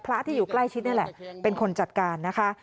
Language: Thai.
พระที่อยู่ใกล้ชิดนี่แหละเป็นคนจัดการนะคะ